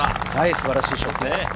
素晴らしいショット。